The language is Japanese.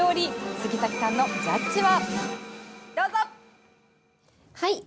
杉崎さんのジャッジは。